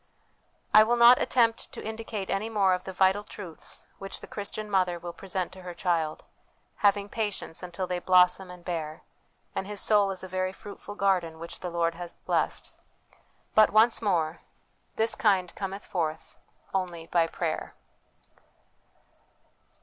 "' I will not attempt to indicate any more of the vital truths which the Christian mother will present to her child ; having patience until they blossom and bear, and his soul is as a very fruitful garden which the Lord hath blessed. But, once more, " This kind cometh forth only by prayer."